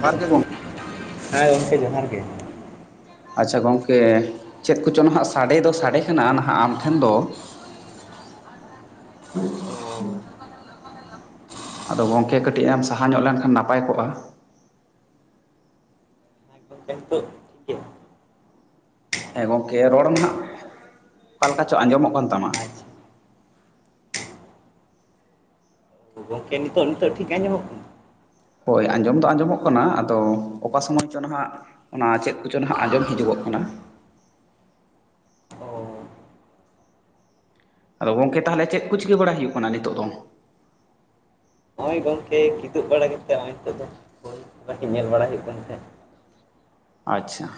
ᱡᱚᱦᱟᱨ ᱜᱮ ᱜᱚᱢᱠᱮ ᱾ ᱦᱮᱸ ᱜᱚᱢᱠᱮ ᱡᱚᱦᱟᱨ ᱜᱮ ᱾ ᱟᱪᱪᱷᱟ ᱜᱚᱝᱠᱮ, ᱪᱮᱫ ᱠᱚᱪᱚᱝ ᱱᱟᱦᱟᱜ ᱥᱟᱸᱰᱮ ᱫᱚ ᱥᱟᱸᱰᱮ ᱠᱟᱱᱟ ᱱᱟᱦᱟᱜ ᱟᱢ ᱴᱷᱮᱱ ᱫᱚ [inaudible] [inaudible] ᱟᱫᱚ ᱜᱚᱝᱠᱮ ᱠᱟᱹᱴᱤᱡ ᱮᱢ ᱥᱟᱦᱟ ᱧᱚᱜ ᱞᱮᱱᱠᱷᱟᱱ ᱱᱟᱯᱟᱭ ᱠᱚᱜᱼᱟ᱾ ᱦᱮᱸ ᱜᱚᱝᱠᱮ ᱱᱤᱛᱚᱜ ᱴᱷᱤᱠ ᱜᱮᱭᱟ? ᱦᱮᱸ ᱜᱚᱢᱠᱮ ᱨᱚᱲ ᱱᱟᱦᱟᱜ ᱚᱠᱟᱞᱮᱠᱟ ᱪᱚ ᱟᱸᱡᱚᱢᱚᱜ ᱠᱟᱱ ᱛᱟᱢᱟ᱾ ᱟᱪᱪᱷᱟ ᱛᱚ ᱜᱚᱝᱠᱮ ᱱᱤᱛᱚᱜ ᱱᱤᱛᱚᱜ ᱴᱷᱤᱠ ᱟᱢᱚᱜ ᱠᱟᱱᱟ? ᱦᱳᱭ ᱟᱸᱡᱚᱢ ᱫᱚ ᱟᱸᱡᱚᱢᱚᱜ ᱠᱟᱱᱟ ᱟᱫᱚ ᱚᱠᱟ ᱥᱳᱢᱳᱭ ᱪᱚ ᱱᱟᱦᱟᱜ ᱚᱱᱟ ᱪᱮᱫ ᱠᱚᱪᱚᱝ ᱱᱟᱦᱟᱜ ᱟᱸᱡᱚᱢ ᱦᱤᱡᱩᱜᱚᱜ ᱠᱟᱱᱟ, ᱚ ᱟᱫᱚ ᱜᱚᱝᱠᱮ ᱛᱟᱦᱚᱞᱮ ᱪᱮᱫ ᱠᱩ ᱪᱤᱠᱟᱹ ᱵᱟᱲᱟᱭ ᱦᱩᱭᱩᱜ ᱠᱟᱱᱟ ᱱᱤᱛᱚᱜ ᱫᱚ? ᱱᱚᱜᱼᱚᱭ ᱜᱚᱝᱠᱮ ᱠᱤᱫᱩᱵ ᱵᱟᱲᱟ ᱠᱟᱛᱮᱫ ᱱᱚᱜᱼᱚᱭ ᱱᱤᱛᱚᱜ ᱫᱚ [unintelligible] ᱠᱟᱹᱠᱤᱡ ᱧᱮᱞ ᱵᱟᱲᱟ ᱦᱳᱭᱳᱜ ᱠᱟᱱ ᱛᱟᱦᱮᱸᱫ᱾ ᱟᱪᱪᱷᱟ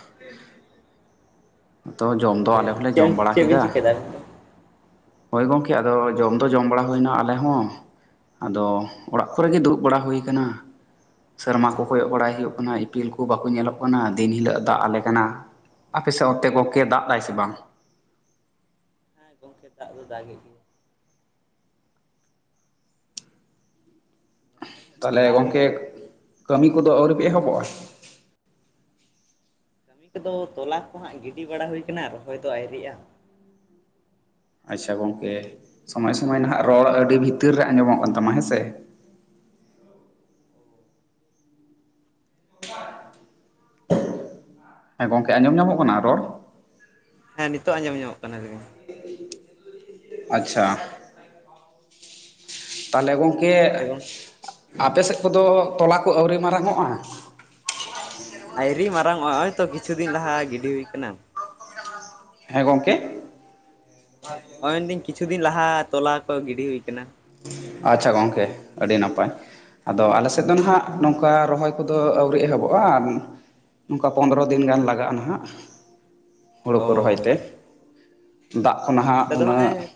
ᱛᱚ ᱟᱪᱪᱷᱟ, ᱡᱚᱢ ᱫᱚ ᱜᱚᱢᱠᱮ ᱟᱞᱮ ᱦᱚᱸᱞᱮ ᱪᱮᱫ ᱡᱚᱢ ᱪᱮᱫ ᱵᱮᱤᱱ ᱪᱤᱠᱟᱹᱭ ᱫᱟ? ᱦᱚᱭ ᱜᱚᱝᱠᱮ ᱟᱫᱚ ᱡᱚᱢ ᱫᱚ ᱡᱚᱢ ᱵᱟᱲᱟ ᱦᱩᱭᱮᱱᱟ ᱟᱞᱮ ᱦᱚᱸ। ᱟᱫᱚ ᱚᱲᱟᱜ ᱠᱚᱨᱮ ᱜᱮ ᱫᱩᱲᱩᱵ ᱵᱟᱲᱟ ᱦᱩᱭ ᱟᱠᱟᱱᱟ। ᱥᱮᱨᱢᱟ ᱠᱚ ᱠᱚᱭᱚᱜ ᱵᱟᱲᱟᱭ ᱦᱩᱭᱩᱜ ᱠᱟᱱᱟ, ᱤᱯᱤᱞ ᱠᱚ ᱵᱟᱠᱚ ᱧᱮᱞᱚᱜ ᱠᱟᱱᱟ ᱫᱤᱱ ᱦᱤᱞᱳᱜ ᱮ ᱫᱟᱜ ᱟᱞᱮ ᱠᱟᱱᱟ᱾ ᱟᱯᱮ ᱥᱮᱫ ᱚᱱᱛᱮ ᱜᱚᱝᱠᱮ ᱫᱟᱜ ᱮᱫᱟᱭ ᱥᱮ ᱵᱟᱝ? ᱦᱮᱸ ᱜᱚᱝᱠᱮ ᱫᱟᱜ ᱫᱟᱜ ᱮᱫ ᱜᱮᱭᱟ ᱱᱚᱛᱮ ᱦᱚᱸ ᱛᱟᱸᱦᱚᱞᱮ ᱫᱟᱜᱮᱫ ᱜᱚᱝᱠᱮ ᱜᱮᱭᱟ᱾ ᱠᱟᱹᱢᱤ ᱠᱚᱫᱚ ᱟᱹᱣᱨᱤ ᱯᱮ ᱮᱦᱚᱵᱚᱜᱼᱟ? ᱠᱟᱹᱢᱤ ᱠᱚᱫᱚ ᱛᱚᱞᱟ ᱠᱚ ᱦᱟᱸᱜ ᱜᱤᱰᱤ ᱵᱟᱲᱟ ᱦᱩᱭ ᱠᱟᱱᱟ ᱨᱚᱦᱚᱭ ᱫᱚ ᱟᱭᱨᱤᱭᱟᱜᱼᱟ। ᱟᱪᱪᱷᱟ ᱜᱚᱝᱠᱮ ᱥᱚᱢᱚᱭ ᱥᱚᱢᱚᱭ ᱱᱟᱦᱟᱜ ᱨᱚᱲ ᱟᱹᱰᱤ ᱵᱷᱤᱛᱤᱨ ᱨᱮ ᱟᱸᱡᱚᱢᱚᱜ ᱠᱟᱱ ᱛᱟᱢᱟ ᱦᱮᱸ ᱥᱮ। ᱦᱮᱸ ᱜᱚᱝᱠᱮ ᱟᱸᱡᱚᱢ ᱧᱟᱢᱚᱜ ᱠᱟᱱᱟ ᱨᱚᱲ। ᱦᱮᱸ ᱱᱤᱛᱳ ᱟᱸᱡᱚᱢ ᱧᱟᱢᱚᱜ ᱠᱟᱱᱟ ᱜᱮᱭᱟ। [inaudible] ᱟᱪᱪᱷᱟ। ᱛᱟᱸᱦᱚᱞᱮ ᱜᱚᱝᱠᱮ ᱟᱪᱪᱷᱟ ᱜᱚᱝ ᱟᱯᱮ ᱥᱮᱫ ᱠᱚᱫᱚ ᱛᱚᱞᱟ ᱠᱚ ᱟᱹᱣᱨᱤ ᱢᱟᱨᱟᱝ ᱚᱜᱼᱟ? ᱟᱭᱨᱤ ᱢᱟᱨᱟᱝ ᱚᱜ ᱟ ᱱᱚᱜᱼ ᱚᱭ ᱛᱚ ᱠᱤᱪᱷᱩ ᱫᱤᱱ ᱞᱟᱦᱟ ᱜᱤᱰᱤ ᱦᱩᱭ ᱟᱠᱟᱱᱟ। ᱦᱮᱸ ᱜᱚᱝᱠᱮ? ᱱᱚᱜᱚᱭ ᱢᱮᱱᱫᱟᱹᱧ ᱠᱤᱪᱷᱩ ᱫᱤᱱ ᱞᱟᱦᱟ ᱛᱚᱞᱟ ᱠᱚ ᱜᱤᱰᱤ ᱦᱩᱭ ᱟᱠᱟᱱᱟ। ᱟᱪᱪᱷᱟ ᱜᱚᱝᱠᱮ ᱟᱹᱰᱤ ᱱᱟᱯᱟᱭ। ᱟᱫᱚ ᱟᱞᱮ ᱥᱮᱫ ᱫᱚ ᱱᱟᱦᱟᱸᱜ ᱱᱚᱝᱠᱟ ᱨᱚᱦᱚᱭ ᱠᱚᱫᱚ ᱟᱹᱣᱨᱤ ᱮᱦᱚᱵᱚᱜᱼᱟ। ᱱᱚᱝᱠᱟ ᱯᱚᱱᱨᱚ ᱫᱤᱱ ᱜᱟᱱ ᱞᱟᱜᱟᱜᱼᱟ ᱱᱟᱦᱟᱜ। ᱦᱩᱲᱩ ᱠᱚ ᱚ ᱨᱚᱦᱚᱭ ᱛᱮ, ᱫᱟᱜ ᱠᱚ ᱱᱟᱦᱟᱜ ᱱᱚᱛᱮ ᱫᱚ ᱦᱟᱸᱜ ᱩᱱᱟᱹᱜ ᱮ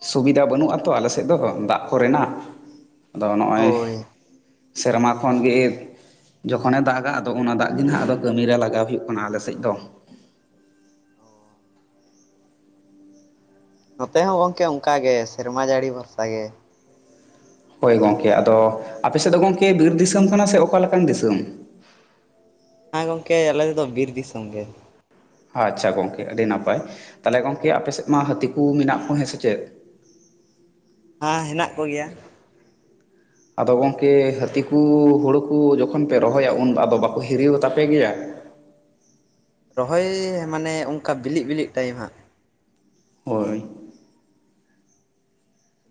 ᱥᱩᱵᱤᱫᱷᱟ ᱵᱟᱹᱱᱩᱜᱼᱟ ᱛᱚ ᱟᱞᱮ ᱥᱮᱫ ᱫᱚ ᱫᱟᱜ ᱠᱚᱨᱮᱱᱟᱜ ᱟᱫᱚ ᱱᱚᱜᱼᱚᱭ ᱦᱳᱭ ᱥᱮᱨᱢᱟ ᱠᱷᱚᱱ ᱜᱮ ᱡᱚᱠᱷᱚᱱᱮ ᱫᱟᱜᱟ, ᱟᱫᱚ ᱚᱱᱟ ᱫᱟᱜ ᱜᱮ ᱱᱟᱦᱟᱜ ᱟᱫᱚ ᱠᱟᱹᱢᱤᱨᱮ ᱞᱟᱜᱟᱣ ᱦᱩᱭᱩᱜ ᱠᱟᱱᱟ ᱟᱞᱮᱥᱮᱫ ᱫᱚ। ᱚ। ᱱᱚᱛᱮ ᱦᱚᱸ ᱜᱚᱝᱠᱮ ᱚᱱᱠᱟ ᱜᱮ ᱥᱮᱨᱢᱟ ᱡᱟᱹᱲᱤ ᱵᱷᱚᱨᱥᱟ ᱜᱮ। ᱦᱳᱭ ᱜᱚᱢᱠᱮ ᱟᱫᱚ ᱟᱯᱮ ᱥᱮᱫ ᱫᱚ ᱜᱚᱝᱠᱮ ᱵᱤᱨ ᱫᱤᱥᱚᱢ ᱠᱟᱱᱟ ᱥᱮ ᱚᱠᱟ ᱞᱮᱠᱟᱱ ᱫᱤᱥᱚᱢ? ᱦᱮᱸ, ᱜᱚᱝᱠᱮ ᱟᱞᱮ ᱫᱚ ᱵᱤᱨ ᱫᱤᱥᱚᱢ ᱜᱮ। ᱟᱪᱪᱷᱟ ᱜᱚᱝᱠᱮ ᱟᱹᱰᱤ ᱱᱟᱯᱟᱭ। ᱛᱟᱦᱚᱞᱮ ᱜᱚᱝᱠᱮ ᱟᱯᱮᱥᱮᱫ ᱢᱟ ᱦᱟᱹᱛᱤ ᱠᱚ ᱢᱮᱱᱟᱜ ᱠᱚ ᱦᱮᱸ ᱥᱮ ᱪᱮᱫ? ᱦᱮᱸ ᱦᱮᱱᱟᱜ ᱠᱚᱜᱮᱭᱟ। ᱟᱫᱚ ᱜᱚᱝᱠᱮ ᱦᱟᱹᱛᱤ ᱠᱚ ᱦᱩᱲᱩ ᱠᱚ ᱡᱚᱠᱷᱚᱱ ᱯᱮ ᱨᱚᱦᱚᱭᱟ ᱩᱱ ᱟᱫᱚ ᱵᱟᱠᱚ ᱦᱤᱨᱤᱣ ᱦᱟᱛᱟᱯᱮ ᱜᱮᱭᱟ? ᱨᱚᱦᱚᱭ ᱢᱟᱱᱮ ᱚᱱᱠᱟ ᱵᱤᱞᱤᱜ ᱵᱤᱞᱤᱜ ᱴᱟᱭᱤᱢ ᱦᱟᱸᱜ। ᱦᱳᱭ।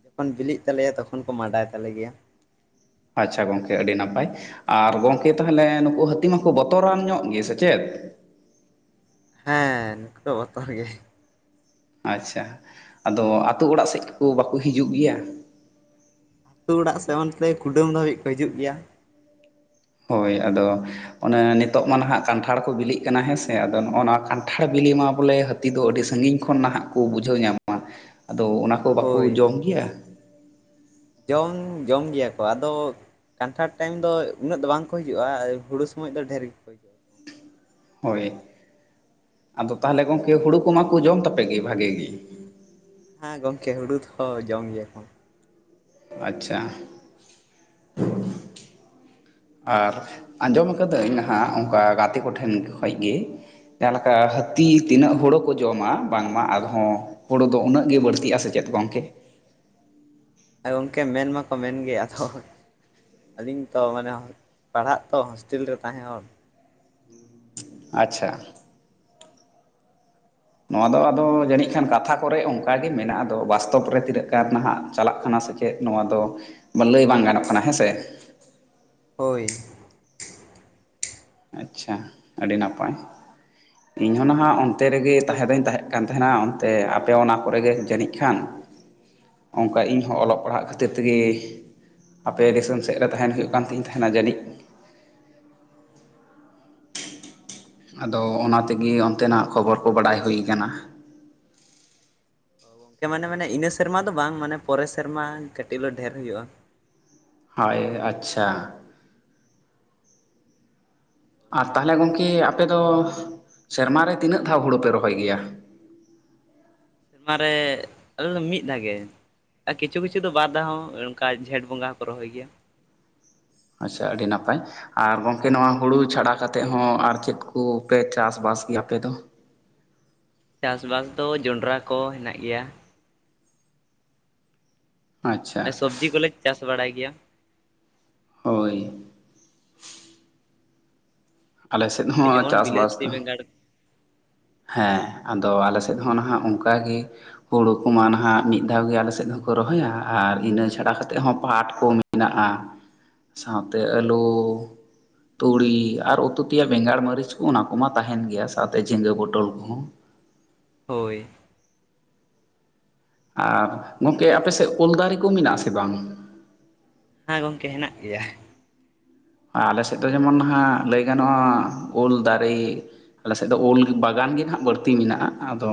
ᱡᱚᱠᱷᱚᱱ ᱵᱤᱞᱤᱜ ᱛᱟᱞᱮᱭᱟ ᱛᱚᱠᱷᱚᱱ ᱠᱚ ᱢᱟᱰᱟᱭ ᱛᱟᱞᱮ ᱜᱮᱭᱟ। ᱟᱪᱪᱷᱟ ᱜᱚᱝᱠᱮ ᱟᱹᱰᱤ ᱱᱟᱯᱟᱭ, ᱟᱨ ᱜᱚᱝᱠᱮ ᱛᱟᱦᱚᱞᱮ ᱱᱩᱠᱩ ᱦᱟᱹᱛᱤ ᱢᱟᱠᱚ ᱵᱚᱛᱚᱨᱟᱱ ᱧᱚᱜ ᱜᱮ ᱥᱮ ᱪᱮᱫ? ᱦᱮᱸ ᱩᱱᱠᱩ ᱫᱚ ᱵᱚᱛᱚᱨ ᱜᱮ। ᱟᱪᱪᱷᱟ, ᱟᱫᱚ ᱟᱛᱳ ᱚᱲᱟᱜ ᱥᱮᱫ ᱠᱚ ᱵᱟᱠᱚ ᱦᱤᱡᱩᱜ ᱜᱮᱭᱟ? ᱟᱹᱛᱩ ᱚᱲᱟᱜ ᱥᱮ, ᱚᱱᱛᱮ ᱠᱩᱰᱟᱹᱢ ᱫᱷᱟᱹᱵᱤᱡ ᱠᱚ ᱦᱤᱡᱩᱜ ᱜᱮᱭᱟ। ᱦᱳᱭ ᱟᱫᱚ ᱚᱱᱮ ᱱᱤᱛᱚᱜ ᱢᱟ ᱱᱟᱦᱟᱜ ᱠᱟᱱᱴᱷᱟᱲ ᱠᱚ ᱵᱤᱞᱤᱜ ᱠᱟᱱᱟ ᱦᱮᱸᱥᱮ ᱟᱫᱚ ᱱᱚᱜᱼ ᱱᱚᱣᱟ ᱠᱟᱱᱴᱷᱟᱲ ᱵᱤᱞᱤ ᱢᱟ ᱵᱚᱞᱮ ᱦᱟᱹᱛᱤ ᱫᱚ ᱟᱹᱰᱤ ᱥᱟᱹᱜᱤᱧ ᱠᱷᱚᱱ ᱱᱟᱦᱟᱜ ᱠᱚ ᱵᱩᱡᱷᱟᱹᱣ ᱧᱟᱢᱟ ᱟᱫᱚ ᱚᱱᱟ ᱠᱚ ᱵᱟᱠᱚ ᱦᱳᱭ ᱡᱚᱢ ᱜᱮᱭᱟ? ᱡᱚᱢ ᱡᱚᱢ ᱜᱮᱭᱟ ᱠᱚ ᱟᱫᱚ ᱠᱟᱱᱴᱷᱟᱲ ᱴᱟᱭᱤᱢ ᱫᱚ ᱩᱱᱟᱹᱜ ᱫᱚ ᱵᱟᱝᱠᱚ ᱦᱤᱡᱩᱜᱼᱟ ᱟᱨ ᱦᱩᱲᱩ ᱥᱚᱢᱚᱭ ᱫᱚ ᱰᱷᱮᱨ ᱜᱮᱠᱚ ᱦᱤᱡᱩᱜᱼᱟ। ᱦᱳᱭ, ᱟᱫᱚ ᱛᱟᱦᱚᱞᱮ ᱜᱚᱝᱠᱮ ᱦᱩᱲᱩ ᱠᱚᱢᱟᱠᱚ ᱡᱚᱢ ᱛᱟᱯᱮ ᱜᱮ ᱵᱷᱟᱜᱤ ᱜᱮ। ᱦᱮᱸ ᱜᱚᱝᱠᱮ ᱦᱩᱲᱩ ᱫᱚ ᱡᱚᱢ ᱜᱮᱭᱟ ᱠᱚ। ᱟᱪᱪᱷᱟ। ᱟᱨ ᱟᱸᱡᱚᱢ ᱟᱠᱟᱫᱟᱹᱧ ᱱᱟᱦᱟᱜ ᱚᱱᱠᱟ ᱜᱟᱛᱮ ᱠᱚᱴᱷᱮᱱ ᱠᱷᱚᱡ ᱜᱮ ᱡᱟᱸᱦᱟ ᱞᱮᱠᱟ ᱦᱳᱭ ᱦᱟᱹᱛᱤ ᱛᱤᱱᱟᱹᱜ ᱦᱳᱲᱳ ᱠᱚ ᱡᱚᱢᱟ ᱵᱟᱝᱢᱟ ᱟᱨ ᱦᱚᱸ ᱦᱳᱲᱳ ᱫᱚ ᱩᱱᱟᱹᱜ ᱜᱮ ᱵᱟᱹᱲᱛᱤᱜᱼᱟ ᱥᱮ ᱪᱮᱫ ᱜᱚᱝᱠᱮ? ᱦᱮᱸ ᱜᱚᱝᱠᱮ ᱢᱮᱱ ᱢᱟᱠᱚ ᱢᱮᱱ ᱜᱮ ᱟᱫᱚ᱾ ᱟᱹᱞᱤᱧ ᱛᱚ ᱢᱟᱱᱮ ᱯᱟᱲᱦᱟᱜ ᱛᱚ ᱦᱳᱥᱴᱮᱞ ᱨᱮ ᱛᱟᱸᱦᱮ ᱦᱚᱲ᱾ ᱟᱪᱪᱷᱟ ᱱᱚᱣᱟ ᱫᱚ ᱟᱫᱚ ᱡᱟᱹᱱᱤᱡ ᱠᱷᱟᱱ ᱠᱟᱛᱷᱟ ᱾ ᱠᱚᱨᱮ ᱚᱱᱠᱟᱜ ᱜᱮ ᱢᱮᱱᱟᱜ ᱟᱫᱚ ᱵᱟᱥᱛᱚᱵ ᱨᱮ ᱛᱤᱱᱟᱹᱜ ᱜᱟᱱ ᱱᱟᱦᱟᱜ ᱪᱟᱞᱟᱜ ᱠᱟᱱᱟ ᱥᱮ ᱪᱮᱫ ᱱᱚᱣᱟ ᱫᱚ᱾ ᱞᱟᱹᱭ ᱵᱟᱝ ᱜᱟᱱᱚᱜ ᱠᱟᱱᱟ ᱦᱮᱸ ᱥᱮ ᱾ ᱦᱳᱭ ᱟᱪᱪᱷᱟ ᱟᱹᱰᱤ ᱱᱟᱯᱟᱭ ᱤᱧᱦᱚᱸ ᱱᱟᱦᱟᱜ ᱚᱱᱛᱮ ᱨᱮᱜᱮ ᱟᱫᱚ ᱛᱟᱦᱮᱸ ᱫᱚᱧ ᱛᱟᱦᱮᱸ ᱠᱟᱱ᱾ ᱛᱟᱦᱮᱱᱟ ᱚᱱᱛᱮ ᱟᱯᱮ ᱚᱱᱟ ᱠᱚᱨᱮ ᱜᱮ ᱡᱟᱹᱱᱤᱡ ᱠᱷᱟᱱ᱾ ᱚᱱᱠᱟ ᱤᱧᱦᱚᱸ ᱚᱞᱚᱜ ᱯᱟᱲᱦᱟᱜ ᱠᱷᱟᱹᱛᱤᱨ ᱛᱮᱜᱮ᱾ ᱟᱯᱮ ᱫᱤᱥᱚᱢ ᱥᱮᱫ ᱨᱮ ᱛᱟᱦᱮᱱ ᱦᱩᱭᱩᱜ ᱠᱟᱱ ᱛᱤᱧ ᱛᱟᱦᱮᱱᱟ ᱡᱟᱹᱱᱤᱡ ᱾ ᱟᱫᱚ ᱚᱱᱟ ᱛᱮᱜᱮ ᱚᱱᱛᱮᱱᱟᱜ ᱠᱷᱚᱵᱚᱨ ᱠᱚ ᱵᱟᱰᱟᱭ ᱦᱩᱭ ᱟᱠᱟᱱᱟ ᱾ ᱜᱚᱝᱠᱮ ᱢᱟᱱᱮ ᱢᱟᱱᱮ ᱤᱱᱟᱹ ᱥᱮᱨᱢᱟ ᱫᱚ ᱵᱟᱝ ᱢᱟᱱᱮ ᱯᱚᱨᱮ ᱥᱮᱨᱢᱟ ᱠᱟᱹᱴᱤᱡ ᱫᱚ ᱰᱷᱮᱨ ᱦᱩᱭᱩᱜ-ᱟ ᱾ ᱦᱚᱭ ᱟᱪᱪᱷᱟ ᱟᱨ ᱛᱟᱦᱚᱞᱮ ᱜᱚᱢᱠᱮ ᱟᱯᱮ ᱫᱚ ᱥᱮᱨᱢᱟ ᱨᱮ ᱛᱤᱱᱟᱹᱜ ᱫᱷᱟᱣ ᱦᱩᱲᱩ ᱯᱮ ᱨᱚᱦᱚᱭ ᱜᱮᱭᱟ᱾ ᱥᱮᱨᱢᱟ ᱨᱮ ᱟᱞᱮ ᱢᱤᱫ ᱫᱷᱟᱣ ᱜᱮ᱾ ᱟᱨ ᱠᱤᱪᱷᱩ ᱠᱤᱪᱷᱩ ᱫᱚ ᱵᱟᱨᱫᱷᱟ ᱦᱚᱸ ᱚᱱᱠᱟ ᱡᱷᱮᱸᱴ ᱵᱚᱸᱜᱟ ᱦᱚᱸᱠᱚ ᱨᱚᱦᱚᱭ ᱜᱮᱭᱟ ᱾ ᱟᱪᱪᱷᱟ ᱟᱹᱰᱤ ᱱᱟᱯᱟᱭ ᱾ ᱟᱨ ᱜᱚᱝᱠᱮ ᱱᱚᱣᱟ ᱦᱩᱲᱩ ᱪᱷᱟᱰᱟ ᱠᱟᱛᱮᱫ ᱦᱚᱸ ᱟᱨ ᱪᱮᱫ ᱠᱩ ᱯᱮ ᱪᱟᱥᱵᱟᱥ ᱜᱮᱭᱟ ᱟᱯᱮ ᱫᱚ᱾ ᱪᱟᱥᱵᱟᱥ ᱫᱚ ᱡᱚᱱᱰᱨᱟ ᱠᱚ ᱦᱮᱱᱟᱜ ᱜᱮᱭᱟ᱾ ᱟᱪᱪᱷᱟ ᱥᱚᱵᱽᱡᱤ ᱠᱚᱞᱮ ᱪᱟᱥ ᱵᱟᱲᱟᱭ ᱜᱮᱭᱟ᱾ ᱦᱳᱭ ᱟᱞᱮ ᱥᱮᱫ ᱦᱚᱸ ᱡᱮᱢᱚᱱ ᱪᱟᱥᱵᱟᱥ ᱵᱤᱞᱟᱹᱛᱤ ᱫᱚ ᱵᱮᱸᱜᱟᱲ᱾ ᱦᱮᱸ ᱟᱫᱚ ᱟᱞᱮ ᱥᱮᱫ ᱦᱚᱸ ᱱᱟᱦᱟᱜ ᱚᱱᱠᱟ ᱜᱮ᱾ ᱦᱩᱲᱩ ᱠᱚᱢᱟ ᱱᱟᱦᱟᱜ ᱢᱤᱫ ᱫᱷᱟᱣ ᱜᱮ ᱟᱞᱮ ᱥᱮᱫ ᱦᱚᱸᱠᱚ ᱨᱚᱦᱚᱭᱟ ᱟᱨ ᱤᱱᱟᱹ ᱪᱷᱟᱰᱟ ᱠᱟᱛᱮᱜ ᱦᱚᱸ ᱯᱟᱴ ᱠᱚ᱾ ᱢᱮᱱᱟᱜ-ᱟ ᱥᱟᱶᱛᱮ ᱟᱹᱞᱩ ᱛᱩᱲᱤ ᱟᱨ ᱩ ᱩᱛᱩ ᱛᱮᱭᱟᱜ ᱵᱮᱸᱜᱟᱲ ᱢᱟᱹᱨᱤᱪ ᱠᱚ ᱚᱱᱟ ᱠᱚᱢᱟ ᱛᱟᱦᱮᱱ ᱜᱮᱭᱟ ᱥᱟᱶᱛᱮ ᱡᱷᱤᱸᱜᱟᱹ ᱵᱚᱴᱚᱞ ᱠᱚᱦᱚᱸ᱾ ᱦᱳᱭ ᱟᱨ ᱜᱚᱢᱠᱮ ᱟᱯᱮᱥᱮᱫ ᱚᱞ ᱫᱟᱨᱮ ᱠᱚ ᱢᱮᱱᱟᱜᱼᱟ ᱥᱮ ᱵᱟᱝ᱾ ᱦᱮᱸ ᱜᱚᱢᱠᱮ ᱦᱮᱱᱟᱜ ᱜᱮᱭᱟ᱾ ᱟᱞᱮ ᱥᱮᱫ ᱫᱚ ᱡᱮᱢᱚᱱ ᱦᱜ ᱞᱟᱹᱭ ᱜᱟᱱᱚᱜᱼᱟ ᱩᱞ ᱫᱟᱨᱮ᱾ ᱟᱞᱮ ᱥᱮᱫ ᱫᱚ ᱩᱞ ᱵᱟᱜᱟᱱ ᱜᱮ ᱱᱟᱦᱟᱜ ᱵᱟᱹᱲᱛᱤ ᱢᱮᱱᱟᱜᱼᱟ ᱟᱫᱚ᱾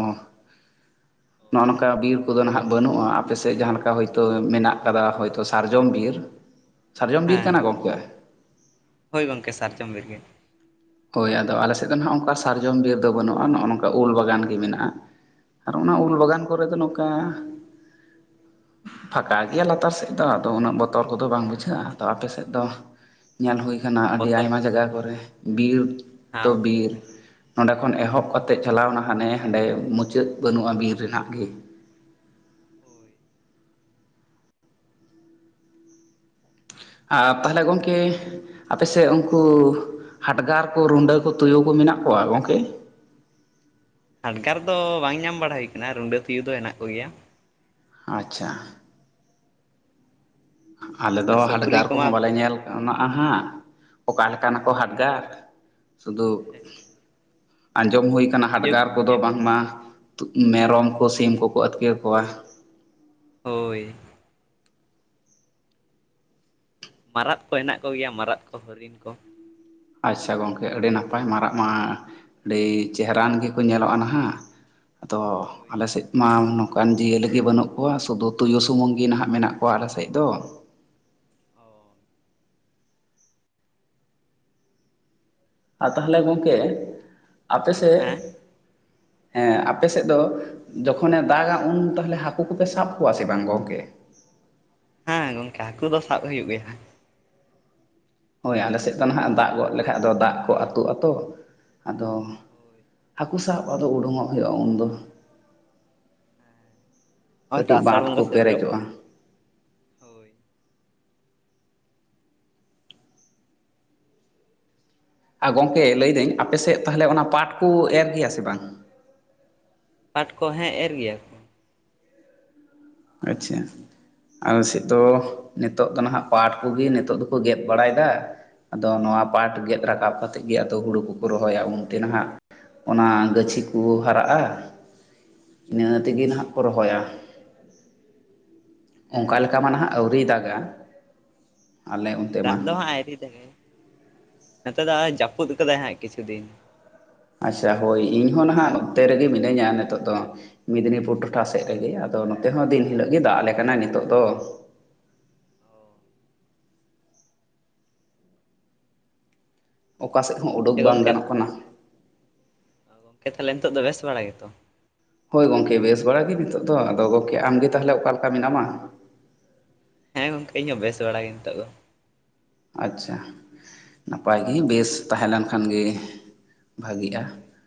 [unintelligible] ᱱᱚᱜᱼᱚ ᱱᱚᱝᱠᱟ ᱵᱤᱨ ᱠᱚᱫᱚ ᱱᱟᱦᱟᱜ ᱵᱟᱹᱱᱩᱜᱼᱟ ᱟᱯᱮ ᱥᱮᱜ ᱡᱟᱦᱟᱸ ᱞᱮᱠᱟ ᱦᱤᱸᱛᱚᱜ ᱢᱮᱱᱟᱜ ᱟᱠᱟᱫᱟ ᱦᱳᱭᱛᱚ ᱥᱟᱨᱡᱚᱢ ᱵᱤᱨ᱾ [inaudible] ᱥᱟᱨᱡᱚᱢ ᱵᱤᱨ ᱦᱮᱸ ᱠᱟᱱᱟ ᱜᱚᱢᱠᱮ᱾ ᱦᱳᱭ ᱜᱚᱢᱠᱮ, ᱥᱟᱨᱡᱚᱢ ᱵᱤᱨ ᱜᱮ᱾ ᱦᱳᱭ, ᱟᱫᱚ ᱟᱞᱮ ᱥᱮᱫ ᱫᱚ ᱱᱚᱜ ᱚᱱᱠᱟ ᱥᱟᱨᱡᱚᱢ ᱵᱤᱨ ᱫᱚ ᱵᱟᱹᱱᱩᱜᱼᱟ, ᱱᱚᱜᱼᱚ ᱱᱚᱝᱠᱟ ᱩᱞ ᱵᱟᱜᱟᱱ ᱜᱮ ᱢᱮᱱᱟᱜᱼᱟ᱾ ᱟᱨ, ᱚᱱᱟ ᱩᱞ ᱵᱟᱜᱟᱱ ᱠᱚᱨᱮ ᱫᱚ, ᱱᱚᱝᱠᱟᱼᱼ ᱯᱷᱟᱸᱠᱟ ᱜᱮᱭᱟ ᱞᱟᱛᱟᱨ ᱥᱮᱫ ᱫᱚ, ᱟᱫᱚ ᱩᱱᱟᱹᱜ ᱵᱚᱛᱚᱨ ᱠᱚᱫᱚ ᱵᱟᱝ ᱵᱩᱡᱷᱟᱹᱜ-ᱟ, ᱟᱫᱚ ᱟᱯᱮ ᱥᱮᱫ ᱫᱚᱼᱼ ᱧᱮᱞ ᱦᱩᱭ ᱟᱠᱟᱱᱟ ᱟᱹᱰᱤ ᱵᱚᱛᱚᱨ ᱟᱭᱢᱟ ᱡᱟᱭᱜᱟ ᱠᱚᱨᱮ, ᱵᱤᱨ ᱛᱚ, ᱦᱮᱸ ᱵᱤ ᱵᱤᱨ, ᱱᱚᱸᱰᱮ ᱠᱷᱚᱱ ᱮᱦᱚᱵ ᱠᱟᱛᱮᱜ, ᱪᱟᱞᱟᱣᱱᱟ ᱦᱟᱱᱮ ᱦᱟᱸᱰᱮ, ᱢᱩᱪᱟᱹᱫ ᱵᱟᱹᱱᱩᱜ-ᱟ ᱵᱤᱨ ᱨᱮᱱᱟᱜ ᱜᱮ᱾ ᱦᱳᱭ ᱟ, ᱛᱟᱦᱚᱞᱮ ᱜᱚᱢᱠᱮᱼᱼ ᱟᱯᱮᱥᱮᱜ ᱩᱱᱠᱩ, ᱦᱟᱰᱜᱟᱨ ᱠᱚ, ᱨᱩᱸᱰᱟᱹ ᱠᱚ, ᱛᱩᱭᱩ ᱠᱚ ᱢᱮᱱᱟᱜ ᱠᱚᱣᱟ ᱜᱚᱝᱠᱮ? ᱟᱰᱠᱟᱨ ᱫᱚ ᱵᱟᱝ ᱧᱟᱢ ᱵᱟᱲᱟ ᱦᱩᱭ ᱠᱟᱱᱟ, ᱨᱩᱸᱰᱟᱹ ᱛᱩᱭᱩ ᱫᱚ ᱦᱮᱱᱟᱜ ᱠᱚᱜᱮᱭᱟ᱾ ᱟᱪᱪᱷᱟ ᱟᱞᱮ ᱫᱚ ᱟᱨ ᱥᱩᱠᱨᱤ ᱦᱟᱰᱜᱟᱨ ᱠᱚᱢᱟ ᱠᱚᱦᱚᱸ ᱵᱟᱞᱮ ᱧᱮᱞ ᱼᱼ [unintelligible] ᱦᱟᱸᱜ, ᱚᱠᱟ ᱞᱮᱠᱟ ᱱᱟᱠᱚ ᱦᱟᱰᱜᱟᱨ, ᱥᱩᱫᱩᱼᱼ ᱦᱮᱸᱼᱼ ᱟᱸᱡᱚᱢ ᱦᱩᱭ ᱠᱟᱱᱟ ᱦᱟᱰᱜᱟᱨᱼᱼ ᱠᱚᱫᱚ ᱵᱟᱝᱢᱟ, ᱛᱩ, ᱢᱮᱨᱚᱢ ᱠᱚ, ᱥᱤᱢ ᱠᱚᱠᱚ ᱟᱹᱛᱠᱤᱨ ᱠᱚᱣᱟ᱾ ᱦᱳᱭ ᱾ ᱢᱟᱨᱟᱫ ᱠᱚ ᱦᱮᱱᱟᱜ ᱠᱚᱜᱮᱭᱟ, ᱢᱟᱨᱟᱫ ᱠᱚ, ᱦᱚᱨᱤᱱ ᱠᱚ ᱾ ᱟᱪᱪᱷᱟ ᱜᱚᱢᱠᱮ, ᱟᱹᱰᱤ ᱱᱟᱯᱟᱭ ᱢᱟᱨᱟᱜ, ᱢᱟᱨᱟᱜ ᱢᱟ, ᱟᱹᱰᱤ, ᱪᱮᱦᱟᱨᱟᱱ ᱜᱮᱠᱚ, ᱧᱮᱞᱚᱜᱼᱟ ᱦᱟᱸᱜ ᱾ ᱟᱫᱚ, ᱦᱳᱭ ᱟᱞᱮ ᱥᱮᱡ ᱾ ᱢᱟᱞ ᱱᱚᱝᱠᱟᱱ ᱡᱤᱭᱟᱹᱞᱤ ᱜᱮ ᱵᱟᱹᱱᱩᱜ ᱠᱚᱣᱟ, ᱥᱩᱫᱩ ᱛᱩᱭᱩ ᱥᱩᱢᱩᱱ ᱜᱮ ᱱᱟᱦᱟᱜ ᱢᱮᱱᱟᱜ ᱠᱚᱣᱟ ᱟᱞᱮ ᱥᱮᱡ ᱫᱚ᱾ ᱚᱻ ᱟ, ᱛᱟᱦᱞᱮ ᱜᱚᱝᱠᱮ, ᱟᱯᱮ ᱥᱮᱜ ᱦᱮᱸ ᱼᱼ ᱦᱮᱸ ᱟᱯᱮ ᱥᱮᱫ ᱫᱚ, ᱡᱚᱠᱷᱚᱱᱼᱮ ᱫᱟᱜᱟ ᱩᱱ ᱛᱟᱦᱚᱞᱮ ᱦᱟᱹᱠᱩ ᱠᱚᱯᱮ ᱥᱟᱵ ᱠᱚᱣᱟ, ᱥᱮ ᱵᱟᱝ ᱜᱚᱢᱠᱮ? ᱦᱮᱸ ᱜᱚᱝᱠᱮ, ᱦᱟᱠᱩ ᱫᱚ ᱥᱟᱵ ᱦᱩᱭᱩᱜ ᱜᱮᱭᱟ, ᱦᱮᱸ᱾ ᱦᱳᱭ, ᱟᱞᱮ ᱥᱮᱫ ᱫᱚ ᱱᱟᱦᱟᱜ, ᱫᱟᱜ ᱜᱚᱜ ᱞᱮᱠᱟᱡ, ᱫᱚ, ᱫᱟᱜ ᱠᱚ ᱟᱹᱛᱩᱜ ᱟᱛᱚ, ᱟᱫᱚ? ᱦᱳᱭ ᱦᱟᱠᱩ ᱥᱟᱵ ᱟᱫᱚ ᱳᱱᱰᱳᱝᱚᱜ ᱦᱳᱭᱳᱜᱼᱟ ᱩᱱ ᱫᱚ᱾ ᱦᱮᱸ᱾ ᱦᱚᱸᱜ ᱚᱭ ᱛᱚ ᱠᱟᱹᱴᱤᱡ ᱟᱥᱟᱲ ᱵᱟᱸᱫ ᱠᱚ ᱵᱚᱸᱜᱟ ᱥᱮᱴᱮᱨᱚᱜ ᱯᱮᱨᱮᱡᱚᱜᱼᱟ᱾ ᱠᱟᱱᱟ, ᱦᱳᱭ ᱾ ᱟᱨ ᱜᱚᱝᱠᱮ ᱞᱟᱹᱭᱫᱟᱹᱧ, ᱟᱯᱮᱥᱮᱜ ᱛᱟᱦᱚᱞᱮ, ᱚᱱᱟ ᱯᱟᱴ ᱠᱚ, ᱮᱨ ᱜᱮᱭᱟ ᱥᱮ ᱵᱟᱝ? ᱯᱟᱴ ᱠᱚ, ᱦᱮᱸ, ᱮᱨ ᱜᱮᱭᱟ ᱠᱚ ᱾ ᱟᱪᱪᱷᱟ ᱾ ᱟᱞᱮ ᱥᱮᱫ ᱫᱚ, ᱱᱤᱛᱳᱜ ᱫᱚ ᱱᱟᱦᱟᱜ ᱯᱟᱴ ᱠᱚᱜᱮ, ᱱᱤᱛᱚᱜ ᱫᱚᱠᱚ ᱜᱮᱫ ᱵᱟᱲᱟᱭ ᱫᱟ ᱾ ᱟᱫᱚ, ᱱᱚᱣᱟ ᱯᱟᱴ ᱜᱮᱫᱽ ᱨᱟᱠᱟᱵ ᱠᱟᱛᱮᱫ ᱜᱮ, ᱟᱫᱚ ᱦᱩᱲᱩ ᱠᱚᱠᱚ ᱨᱚᱦᱚᱭᱟ, ᱩᱱᱛᱮ ᱱᱟᱦᱟᱜᱼᱼ ᱚᱱᱟ, ᱜᱟᱹᱪᱷᱤ ᱠᱚ, ᱦᱟᱨᱟᱜᱼᱟ, ᱤᱱᱟᱹ ᱛᱮᱜᱮ ᱱᱷᱸᱜ ᱠᱚ ᱨᱚᱦᱚᱭᱟ ᱾ ᱚᱱᱠᱟ ᱞᱮᱠᱟ ᱢᱟ ᱱᱟᱸᱦᱟᱜ ᱟᱹᱣᱨᱤᱭ ᱫᱟᱜᱽᱼᱟ᱾ ᱫᱟᱜ ᱫᱚ ᱦᱟᱸᱜ, ᱟᱹᱣᱨᱤᱭ ᱫᱟᱜᱟᱭ, ᱱᱚᱛᱮ ᱫᱚ ᱡᱟᱹᱯᱩᱫ ᱠᱟᱫᱟᱭ ᱦᱟᱸᱜ, ᱠᱤᱪᱷᱩ ᱫᱤᱱ ᱾ ᱟᱪᱪᱷᱟ ᱦᱳᱭ, ᱤᱧᱦᱚᱸ ᱱᱟᱦᱟᱜ ᱱᱚᱛᱮ ᱨᱮᱜᱮ ᱢᱤᱱᱟᱹᱧᱟ ᱱᱤᱛᱚᱜ ᱫᱚ ᱾ ᱢᱮᱫᱽᱱᱤᱯᱩᱨ ᱴᱚᱴᱷᱟ ᱥᱮᱫ ᱨᱮᱜᱮ, ᱟᱫᱚ, ᱱᱚᱛᱮ ᱦᱚᱸ ᱫᱤᱱ ᱦᱤᱞᱳᱜ ᱜᱮ, ᱫᱟᱜ ᱟᱞᱮ ᱠᱟᱱᱟᱭ ᱱᱤᱛᱚᱜ ᱫᱚ ᱾ ᱚᱠᱟ ᱥᱮᱫ ᱦᱚᱸ, ᱳᱸᱰᱚᱜ ᱥᱮ ᱵᱟᱝ ᱜᱚᱝᱠᱮ ᱜᱟᱱᱚᱜ ᱠᱟᱱᱟ᱾ ᱜᱚᱝᱠᱮ, ᱛᱟᱦᱞᱮ ᱱᱤᱛᱚᱜ ᱫᱚ, ᱵᱮᱥ ᱵᱟᱲ ᱜᱮᱛᱚ ᱾ ᱦᱳᱭ ᱜᱚᱢᱠᱮ, ᱵᱮᱥ ᱵᱟᱲ ᱜᱮ ᱱᱤᱛᱚᱜ ᱫᱚ, ᱟᱫᱚ ᱜᱚᱝᱠᱮ, ᱟᱢ ᱜᱮ ᱛᱟᱦᱚᱞᱮ ᱚᱠᱟ ᱞᱮᱠᱟ ᱢᱮᱱᱟᱢᱼᱟ? ᱦᱮᱸ ᱜᱚᱝᱠᱮ, ᱤᱧᱦᱚᱸ ᱵᱮᱥ ᱵᱟᱲᱟ ᱜᱮ ᱱᱤᱛᱚᱜ ᱫᱚ ᱾ ᱟᱪᱪᱷᱟ ᱱᱟᱯᱟᱭ ᱜᱮ ᱵᱮᱥ ᱛᱟᱦᱮᱸᱞᱮᱱ ᱠᱷᱟᱱ ᱜᱮ ᱵᱷᱟᱜᱮᱜᱼᱟ ᱾ [unintelligible]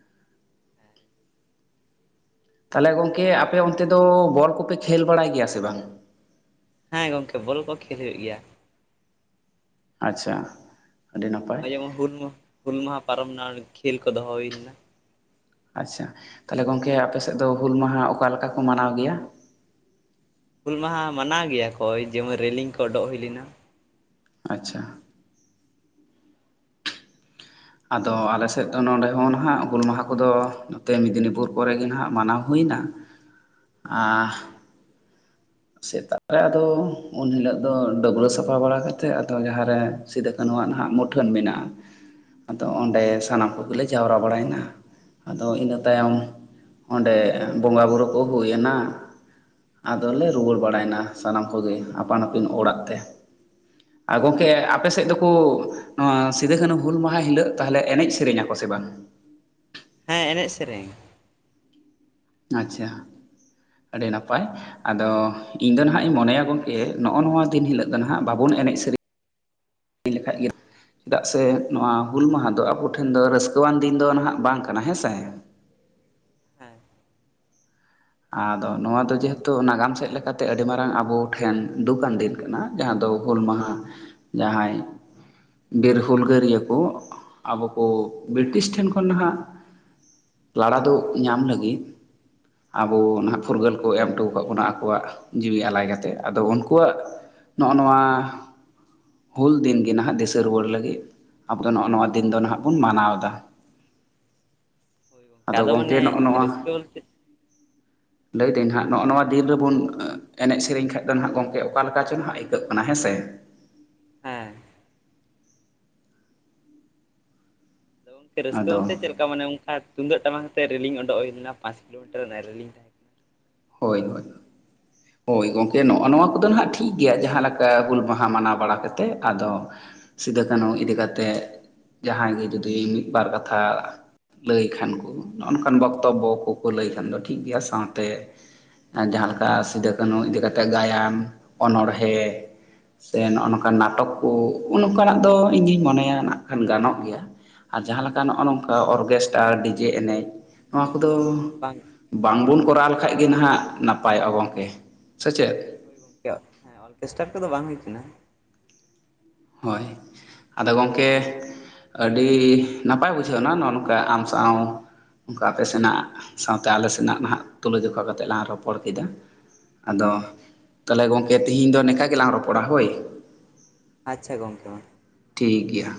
ᱦᱮᱸ᱾ ᱛᱟᱦᱚᱞᱮ ᱜᱚᱝᱠᱮ ᱟᱯᱮ ᱚᱱᱛᱮ ᱫᱚ ᱵᱚᱞ ᱠᱚᱯᱮ ᱠᱷᱮᱞ ᱵᱟᱲᱟᱭ ᱜᱮᱭᱟ ᱥᱮ ᱵᱟᱝ? ᱦᱮᱸ ᱜᱚᱝᱠᱮ ᱵᱚᱞ ᱠᱚ ᱠᱷᱮᱞ ᱦᱳᱭᱳᱜ ᱜᱮᱭᱟ ᱾ ᱟᱪᱪᱷᱟ ᱾ ᱦᱚᱜᱼᱚᱭ ᱡᱮᱢᱚᱱ ᱦᱩᱞ ᱦᱩᱞ ᱢᱟᱦᱟ ᱯᱟᱨᱚᱢᱱᱟ ᱠᱷᱮᱞ ᱠᱚ ᱫᱚᱦᱚ ᱦᱳᱭᱞᱮᱱᱟ ᱾ ᱟᱪᱪᱷᱟ ᱛᱟᱦᱞᱮ ᱜᱚᱝᱠᱮ ᱟᱯᱮᱥᱮᱜ ᱫᱚ ᱦᱩᱞ ᱢᱟᱦᱟ ᱚᱠᱟ ᱞᱮᱠᱟ ᱠᱚ ᱢᱟᱱᱟᱣ ᱜᱮᱭᱟ? ᱦᱩᱞ ᱢᱟᱦᱟ ᱢᱟᱱᱟᱣ ᱜᱮᱭᱟᱠᱚ ᱡᱮᱢᱚᱱ ᱨᱮᱞᱤᱝ ᱠᱚ ᱚᱰᱚᱜ ᱦᱳᱭ ᱞᱮᱱᱟ ᱾ ᱟᱪᱪᱷᱟ ᱾ ᱟᱫᱚ ᱟᱞᱮ ᱥᱮᱫ ᱫᱚ ᱱᱚᱰᱮ ᱦᱚᱸ ᱱᱟᱦᱟᱜ ᱦᱩᱞ ᱢᱟᱦᱟ ᱠᱚᱫᱚ ᱱᱚᱛᱮ ᱢᱮᱫᱽᱱᱤᱯᱩᱨ ᱠᱚᱨᱮ ᱜᱮ ᱱᱟᱦᱟᱜ ᱢᱟᱱᱟᱣ ᱦᱩᱭᱱᱟ ᱾ [unintelligible] ᱟᱻ ᱾ ᱥᱮᱛᱟᱜ ᱨᱮ ᱟᱫᱚ ᱩᱱ ᱦᱤᱞᱳᱜ ᱫᱚ ᱰᱟᱹᱵᱽᱨᱟᱹ ᱥᱟᱯᱷᱟ ᱵᱟᱲᱟ ᱠᱟᱛᱮᱜ ᱟᱫᱚ ᱡᱟᱦᱟᱨᱮ ᱥᱤᱫᱟᱹ ᱠᱟᱹᱱᱩ ᱣᱟᱜ ᱱᱟᱦᱟᱜ ᱢᱩᱴᱷᱟᱹᱱ ᱢᱮᱱᱟᱜᱼᱟ ᱾ ᱟᱫᱚ ᱚᱸᱱᱰᱮ ᱥᱟᱱᱟᱢ ᱠᱚᱜᱮᱞᱮ ᱡᱟᱣᱨᱟ ᱵᱟᱲᱟᱭᱱᱟ ᱟᱫᱚ ᱤᱱᱟᱹ ᱛᱟᱭᱚᱢ ᱾ ᱚᱸᱱᱰᱮ ᱵᱚᱸᱜᱟ ᱵᱩᱨᱩ ᱠᱚ ᱦᱳᱭ ᱱᱟ ᱟᱫᱚᱞᱮ ᱾ ᱨᱩᱭᱟᱹᱲ ᱵᱟᱲᱟᱭ ᱱᱟ ᱥᱟᱱᱟᱢ ᱠᱚᱜᱮ ᱟᱯᱟᱱ ᱟᱹᱯᱤᱱ ᱚᱲᱟᱜ ᱛᱮ ᱾ ᱟ ᱜᱚᱢᱠᱮ ᱟᱯᱮ ᱥᱮᱫ ᱫᱚᱠᱚ ᱾ ᱱᱚᱣᱟ ᱥᱤᱫᱷᱳᱼ ᱠᱟᱹᱱᱦᱩ ᱦᱩᱞ ᱢᱟᱦᱟ ᱦᱤᱞᱳᱜ ᱛᱟᱦᱚᱞᱮ ᱮᱱᱮᱡ ᱥᱮᱨᱮᱧᱟ ᱥᱮ ᱵᱟᱝ ᱦᱮᱸ ᱮᱱᱮᱡ ᱥᱮᱨᱮᱧ ᱾ ᱟᱪᱪᱷᱟ ᱟᱹᱰᱤ ᱱᱟᱯᱟᱭ ᱾ ᱟᱫᱚ ᱤᱧ ᱫᱚ ᱱᱟᱦᱟᱸᱜ ᱤᱧ ᱢᱚᱱᱮᱭᱟ ᱜᱚᱝᱠᱮ ᱱᱚᱜᱼᱚ ᱱᱚᱣᱟ ᱫᱤᱱ ᱦᱤᱞᱳᱜ ᱫᱚ ᱱᱟᱦᱟᱸᱜ ᱵᱟᱵᱚᱱ ᱮᱱᱮᱡ ᱥᱮᱨᱮᱧ [inaudible] ᱞᱮᱠᱷᱟᱡ ᱜᱮ ᱪᱮᱫᱟᱜ ᱾ ᱥᱮ ᱱᱚᱣᱟ ᱦᱩᱞ ᱢᱟᱦᱟ ᱫᱚ ᱟᱵᱚ ᱴᱷᱮᱱ ᱫᱚ ᱨᱟᱹᱥᱠᱟᱹᱣᱟᱱ ᱫᱤᱱ ᱫᱚ ᱱᱟᱦᱟᱜ ᱵᱟᱝ ᱠᱟᱱᱟ ᱦᱮᱸᱥᱮ ᱦᱮᱸ ᱟᱫᱚ ᱱᱚᱣᱟ ᱫᱚ ᱡᱮᱦᱮᱛᱩ ᱱᱟᱜᱟᱢ ᱥᱮᱫ ᱞᱮᱠᱟᱛᱮ ᱟᱹᱰᱤ ᱢᱟᱨᱟᱝ ᱟᱵᱚ ᱴᱷᱮᱱ ᱫᱩᱠ ᱟᱱ ᱫᱤᱱ ᱠᱟᱱᱟ ᱡᱟᱦᱟᱸ ᱫᱚ ᱦᱩᱞ ᱢᱟᱦᱟ ᱡᱟᱦᱟᱸᱭ ᱵᱤᱨ ᱦᱩᱞᱜᱟᱹᱨᱤᱭᱟᱹ ᱠᱚ ᱟᱵᱚ ᱠᱚ ᱵᱨᱤᱴᱤᱥ ᱴᱷᱮᱱ ᱠᱷᱚᱱ ᱱᱟᱦᱟᱜ ᱞᱟᱲᱟ ᱫᱚ ᱧᱟᱢ ᱞᱟᱹᱜᱤᱫ ᱟᱵᱚ ᱱᱟᱦᱟᱜ ᱯᱷᱩᱨᱜᱟᱹᱞ ᱠᱚ ᱮᱢ ᱦᱚᱴᱚ ᱟᱠᱟᱫ ᱵᱚᱱᱟ ᱟᱠᱚᱣᱟᱜ ᱡᱤᱣᱤ ᱟᱞᱟᱭ ᱠᱟᱛᱮ ᱟᱫᱚ ᱩᱱᱠᱩᱣᱟᱜ ᱱᱚᱜᱼᱚ ᱱᱚᱣᱟ ᱦᱩᱞ ᱫᱤᱱ ᱜᱮ ᱱᱟᱦᱟᱜ ᱫᱤᱥᱟᱹ ᱨᱩᱣᱟᱹᱲ ᱞᱟᱹᱜᱤᱫ ᱟᱵᱚ ᱫᱚ ᱱᱚᱜ-ᱚ ᱱᱚᱣᱟ ᱫᱤᱱ ᱫᱚ ᱱᱟᱦᱟᱜ ᱵᱚᱱ ᱢᱟᱱᱟᱣ ᱫᱟ ᱦᱳᱭ ᱜᱚᱝᱠᱮ ᱟᱫᱚ ᱜᱚᱢᱠᱮ ᱢᱟᱱᱮ ᱱᱚᱜᱼᱚ ᱨᱟᱹᱥᱠᱟᱹ ᱵᱚᱞᱛᱮ ᱞᱟᱹᱭ ᱫᱟᱹᱧ ᱦᱟᱸᱜ ᱱᱚᱜᱼᱚ ᱱᱚᱣᱟ ᱫᱤᱱ ᱨᱮᱵᱚᱱ ᱮᱱᱮᱡ ᱥᱮᱨᱮᱧ ᱠᱷᱟᱡ ᱫᱚ ᱱᱟᱦᱟᱜ ᱜᱚᱝᱠᱮ ᱚᱠᱟ ᱞᱮᱠᱟ ᱪᱚᱝ ᱦᱟᱸᱜ ᱟᱹᱭᱠᱟᱹᱜ ᱠᱟᱱᱟ ᱦᱮᱸ ᱥᱮ ᱦᱮᱸ ᱟᱫᱚ ᱜᱚᱝᱠᱮ ᱨᱟᱹᱥᱠᱟᱹ ᱟᱫᱚ ᱵᱚᱞᱛᱮ ᱪᱮᱫ ᱚᱱᱮ ᱚᱱᱠᱟ ᱛᱩᱢᱫᱟᱹᱜ ᱴᱟᱢᱟᱠᱟᱛᱮ ᱨᱮᱞᱤᱝ ᱳᱰᱳᱜ ᱦᱩᱭᱞᱮᱱᱟ ᱯᱟᱸᱪ ᱠᱤᱞᱳᱢᱤᱴᱟᱨ ᱚᱱᱮ ᱨᱮᱞᱤᱝ ᱠᱟᱱᱟ ᱦᱳᱭ ᱦᱳᱭ [inaudible] ᱦᱳᱭ ᱜᱚᱝᱠᱮ ᱱᱚᱜᱼᱚ ᱱᱚᱣᱟ ᱠᱚᱫᱚ ᱱᱟᱦᱟᱜ ᱴᱷᱤᱠ ᱜᱮᱭᱟ ᱡᱟᱦᱟᱸ ᱞᱮᱠᱟ ᱦᱩᱞ ᱢᱟᱦᱟ ᱢᱟᱱᱟᱣ ᱵᱟᱲᱟ ᱠᱟᱛᱮᱫ ᱟᱫᱚ ᱥᱤᱫᱟᱹ ᱠᱟᱹᱱᱩ ᱤᱫᱤ ᱠᱟᱛᱮᱫ ᱡᱟᱦᱟᱸᱭ ᱜᱤ ᱡᱩᱫᱤ ᱦᱮᱸ ᱢᱤᱫ ᱵᱟᱨ ᱠᱟᱛᱷᱟ ᱞᱟᱹᱭ ᱠᱷᱟᱱ ᱠᱩ ᱱᱚᱜ ᱱᱚᱝᱠᱟᱱ ᱵᱚᱠᱛᱚᱵᱵᱚ ᱠᱚᱠᱚ ᱦᱳᱭ ᱞᱟᱹᱭ ᱠᱷᱟᱱ ᱫᱚ ᱴᱷᱤᱠ ᱜᱮᱭᱟ ᱥᱟᱶᱛᱮ ᱡᱟᱦᱟᱸ ᱞᱮᱠᱟ ᱥᱤᱫᱟᱹ ᱠᱟᱹᱱᱩ ᱤᱫᱤ ᱠᱟᱛᱮᱫ ᱜᱟᱭᱟᱱ ᱚᱱᱚᱬᱦᱮᱸ ᱥᱮ ᱱᱚᱜ ᱱᱚᱝᱠᱟᱱ ᱦᱳᱭ ᱱᱟᱴᱚᱠ ᱠᱚ ᱱᱚᱝᱠᱟᱱᱟᱜ ᱫᱚ ᱤᱧ ᱫᱩᱧ ᱢᱚᱱᱮᱭᱟ ᱱᱟᱜ ᱠᱷᱟᱱ ᱜᱟᱱᱚᱜ ᱜᱮᱭᱟ᱾ ᱟᱨ ᱡᱟᱦᱟᱸ ᱞᱮᱠᱟ ᱱᱚᱜ-ᱚ ᱦᱮᱸ ᱱᱚᱝᱠᱟ ᱚᱨᱜᱮᱥᱴᱟᱨ, ᱰᱤᱡᱮ ᱮᱱᱮᱡ ᱱᱚᱣᱟ ᱠᱚᱫᱚ ᱵᱟᱝ ᱵᱟᱝᱵᱚᱱ ᱠᱚᱨᱟᱣ ᱞᱮᱠᱷᱟᱱ ᱠᱷᱟᱡ ᱜᱮ ᱱᱟᱦᱟᱜ ᱱᱟᱯᱟᱭᱚᱜ-ᱟ ᱜᱚᱝᱠᱮ ᱥᱮ ᱪᱮᱫ? ᱦᱳᱭ ᱜᱚᱝᱠᱮ ᱦᱮᱸ ᱚᱨᱜᱮᱥᱴᱟᱨ ᱠᱚᱫᱚ ᱵᱟᱝ ᱦᱩᱭ ᱠᱟᱱᱟ᱾ ᱦᱳᱭ ᱟᱫᱚ ᱜᱚᱝᱠᱮ ᱟᱹᱰᱤ ᱱᱟᱯᱟᱭ ᱵᱩᱡᱷᱟᱹᱣᱱᱟ ᱱᱚᱜ-ᱚ ᱱᱚᱝᱠᱟ ᱟᱢ ᱥᱟᱶ ᱚᱱᱠᱟ ᱟᱯᱮ ᱥᱮᱱᱟᱜ ᱥᱟᱶᱛᱮ ᱟᱞᱮ ᱥᱮᱱᱟᱜ ᱱᱟᱦᱟᱜ ᱛᱩᱞᱟᱹ ᱡᱚᱠᱷᱟ ᱠᱟᱛᱮᱜ ᱞᱟᱝ ᱨᱚᱯᱚᱲ ᱠᱮᱫᱟ᱾ ᱟᱫᱚ ᱦᱳᱭ ᱛᱟᱦᱚᱞᱮ ᱜᱚᱝᱠᱮ ᱛᱤᱦᱤᱧ ᱫᱚ ᱱᱮᱠᱟ ᱜᱮᱞᱟᱝ ᱨᱚᱯᱚᱲᱟ ᱦᱳᱭ᱾ ᱟᱪᱪᱷᱟ ᱜᱚᱝᱠᱮ ᱢᱟ᱾ ᱴᱷᱤᱠ ᱜᱮᱭᱟ᱾